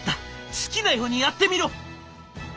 好きなようにやってみろ」。